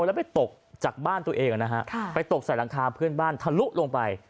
แล้วไปตกจากบ้านตัวเองนะฮะไปตกใส่หลังคาเพื่อนบ้านทะลุลงไป